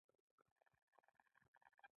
خو موږ پوهېږو چې پانګوال یو نیم سل زره لګولي وو